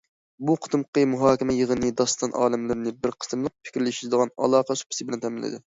بۇ قېتىمقى مۇھاكىمە يىغىنى داستان ئالىملىرىنى بىر قېتىملىق پىكىرلىشىدىغان ئالاقە سۇپىسى بىلەن تەمىنلىدى.